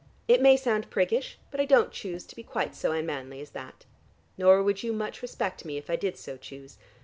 It may sound priggish, but I don't choose to be quite so unmanly as that. Nor would you much respect me if I did so choose."